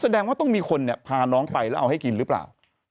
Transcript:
แสดงว่าต้องมีคนเนี่ยพาน้องไปแล้วเอาให้กินหรือเปล่า